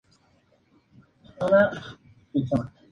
Las naves laterales rematan en altares.